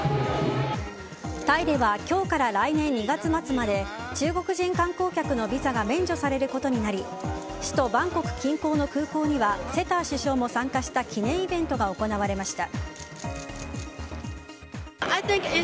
タイでは今日から来年２月末まで中国人観光客のビザが免除されることになり首都バンコク近郊の空港にはセター首相も参加した記念イベントが行われました。